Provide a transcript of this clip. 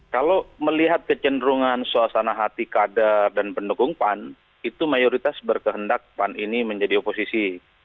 kalau melihat kecenderungan suasana hati kader dan pendukung pan itu mayoritas berkehendak pan ini menjadi oposisi